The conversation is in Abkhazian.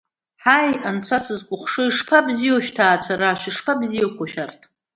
Ҳаи анцәа сызкәыхшоу, ишԥабзиоу шәҭаацәара, шәышԥабзиақәоу шәарҭ…